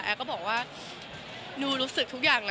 ก็บอกว่านูรู้สึกทุกอย่างนะ